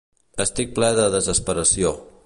Estic ple de desesperació.